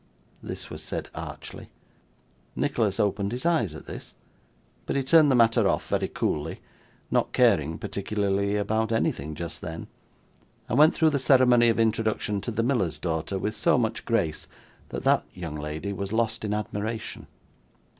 (This was said archly.) Nicholas opened his eyes at this, but he turned the matter off very coolly not caring, particularly, about anything just then and went through the ceremony of introduction to the miller's daughter with so much grace, that that young lady was lost in admiration.